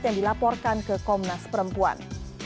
yang dilaporkan ke komnas perempuan